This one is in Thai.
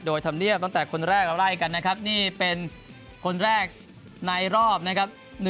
โดยธรรมเนียบตั้งแต่คนแรกเราไล่กันนะครับนี่เป็นคนแรกในรอบนะครับ